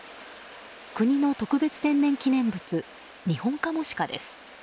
国の特別天然記念物ニホンカモシカです。